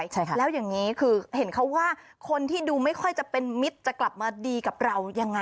จำดันในอำเภาะ